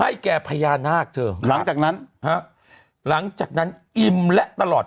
แก่พญานาคเธอหลังจากนั้นฮะหลังจากนั้นอิ่มและตลอด